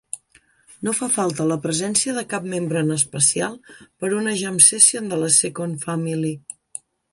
No fa falta la presència de cap membre en especial per una Jam session de la Second Family.